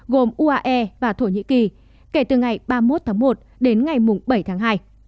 gồm uae và thổ nhĩ kỳ kể từ ngày ba mươi một tháng một đến ngày bảy tháng hai